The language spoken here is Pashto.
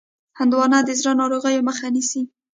هندوانه د زړه ناروغیو مخه نیسي.